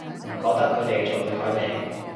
唔覺得佢哋仲會改名